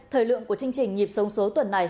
thời lượng của chương trình nhịp sống số tuần này